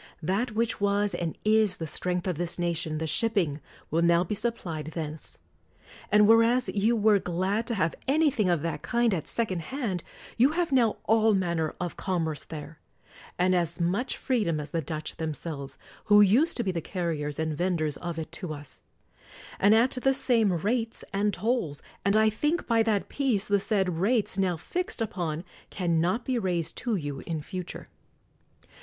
That which was and is the strength of this nation, the shipping, will now be sup plied thence. And whereas you were glad to have anything of that kind at second hand, you have now all manner of commerce there, and at as much freedom as the Dutch themselves, who used to be the carriers and venders of it to us; and at the same rates and tolls; and I think, by that peace, the said rates now fixed upon can not be raised to you in future.